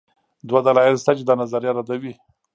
دوه دلایل شته چې دا نظریه ردوي.